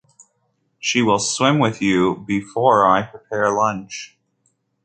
She will swim with you "before I prepare lunch".